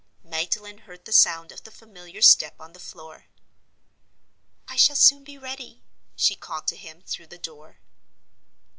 Magdalen heard the sound of the familiar step on the floor. "I shall soon be ready," she called to him, through the door.